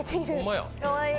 かわいい。